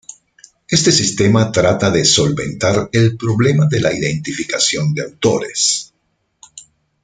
Este sistema trata de solventar el problema de la identificación de autores.